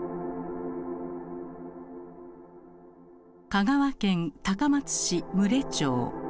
香川県高松市牟礼町。